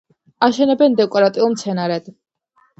აშენებენ დეკორატიულ მცენარედ.